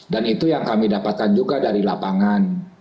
dan itu yang kami dapatkan juga dari lapangan